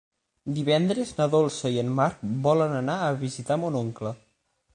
Divendres na Dolça i en Marc volen anar a visitar mon oncle.